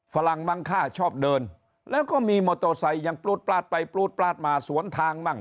ฝรั่งมั่งค่าชอบเดินแล้วก็มีมอเตอร์ไซค์ยังปลูดปลาดไปปลูดปลาดมาสวนทางมั่ง